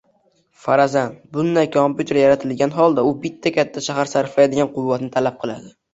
Farazan, bunday kompyuter yaratilgan holda u bitta katta shahar sarflaydigan quvvatni talab qiladi.